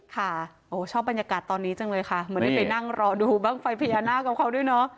ค่ะโอ้ชอบบรรยากาศตอนนี้จังเลยค่ะเหมือนได้ไปนั่งรอดูบ้างไฟพญานาคกับเขาด้วยเนอะ